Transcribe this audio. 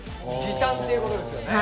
時短っていうことですよね。